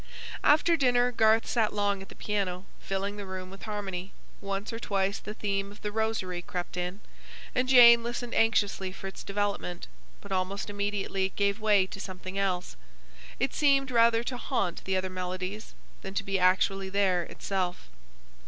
After dinner, Garth sat long at the piano, filling the room with harmony. Once or twice the theme of The Rosary crept in, and Jane listened anxiously for its development; but almost immediately it gave way to something else. It seemed rather to haunt the other melodies, than to be actually there itself.